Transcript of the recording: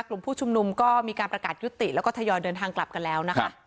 กลุ่มผู้ชุมนุมก็มีการประกาศยุติแล้วก็ทยอยเดินทางกลับกันแล้วนะคะ